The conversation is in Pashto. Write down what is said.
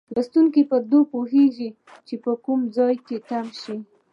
لوستونکی پرې پوهیږي چې په کوم ځای کې تم شي.